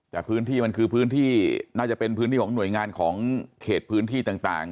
แต่พื้นที่มันคือพื้นที่น่าจะเป็นพื้นที่ของหน่วยงานของเขตพื้นที่ต่าง